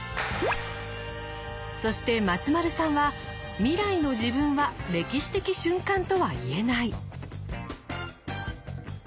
そして松丸さんは未来の自分は歴史的瞬間とは言えない。